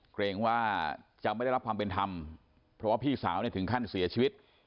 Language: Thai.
เกรงว่าจะไม่ได้รับความเป็นธรรมเพราะว่าพี่สาวเนี่ยถึงขั้นเสียชีวิต